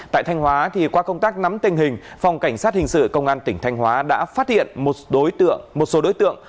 tại thanh hóa thì qua công tác nắm tình hình phòng cảnh sát hình sự công an tỉnh thanh hóa đã phát hiện một số đối tượng